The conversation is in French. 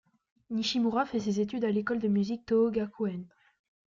Nishimura fait ses études à l'École de musique Tōhō Gakuen.